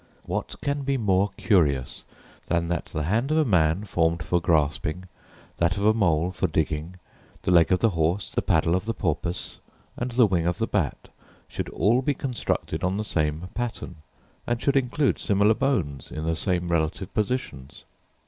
What can be more curious than that the hand of a man, formed for grasping, that of a mole for digging, the leg of the horse, the paddle of the porpoise, and the wing of the bat, should all be constructed on the same pattern, and should include similar bones, in the same relative positions?